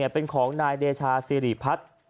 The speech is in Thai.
เป็นของนายเดชาสิริพัฒน์